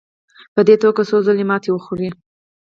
په دې توګه څو ځله ماتې وخوړې.